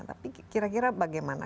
tapi kira kira bagaimana